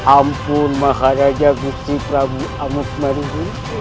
ampun maha raja kusti prabu amat maridun